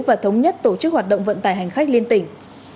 và thống nhất tổ chức hoạt động vận tải hành khách liên tỉnh